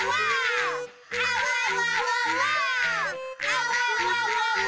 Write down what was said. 「あわわわわ」